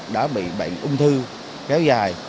đã bị bệnh ung thư kéo dài